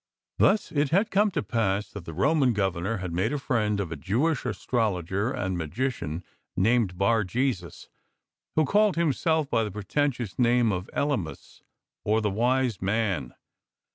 Thus it had come to pass that the Roman Governor had made a friend of a Jewish astrologer and magician named Bar jesus, who called himself by the pretentious name of Etymas, or the "'wise Man.